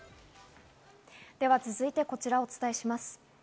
続いてこちらをお伝えします。